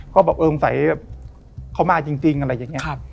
เขาบอกว่าคงใส่เขามาจริงอะไรอย่างนี้